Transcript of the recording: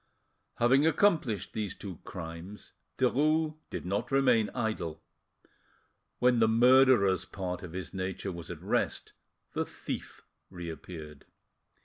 Having accomplished these two crimes, Derues did not remain idle. When the murderer's part of his nature was at rest, the thief reappeared.